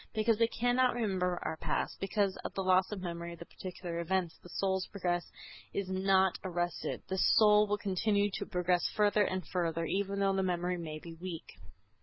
Because we cannot remember our past, because of the loss of memory of the particular events, the soul's progress is not arrested. The soul will continue to progress further and further, even though the memory may be weak.